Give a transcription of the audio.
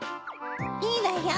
いいわよ。